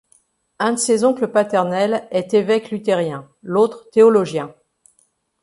Un de ses oncles paternels est évêque luthérien, l'autre théologien.